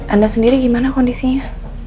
anda sendiri gimana kondisinya